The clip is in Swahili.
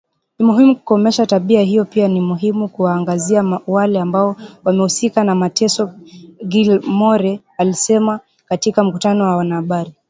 Ni muhimu kukomesha tabia hiyo pia ni muhimu kuwaangazia wale ambao wamehusika na mateso Gilmore alisema katika mkutano na wanahabari